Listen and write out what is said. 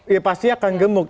iya pasti akan gemuk